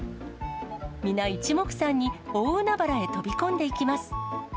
皆いちもくさんに大海原へ飛び込んでいきます。